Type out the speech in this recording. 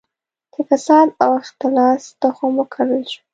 د فساد او اختلاس تخم وکرل شو.